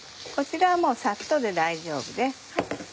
こちらはもうサッとで大丈夫です。